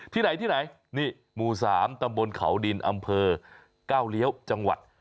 ที่ไหนที่ไหนนี่หมู่๓ตำบลเขาดินอำเภอก้าวเลี้ยวจังหวัด